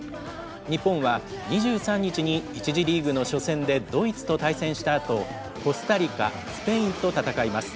日本は２３日に、１次リーグの初戦でドイツと対戦したあと、コスタリカ、スペインと戦います。